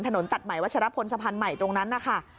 ถนนตัดใหม่วัชรพลสะพานใหม่ตรงนั้นนะคะ